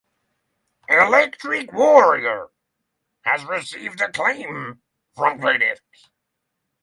"Electric Warrior" has received acclaim from critics.